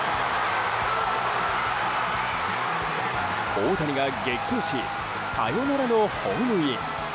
大谷が激走しサヨナラのホームイン。